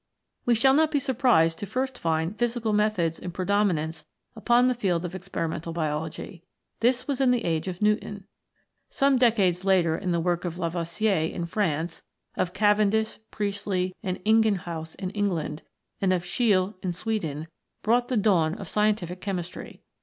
We shall not be surprised to first find physical methods in predominance upon the field of Ex perimental Biology. This was in the age of Newton. Some decades later the work of Lavoisier in France, of Cavendish, Priestley, and Ingenhousz in England, and of Scheele in Sweden brought the dawn of scientific Chemistry.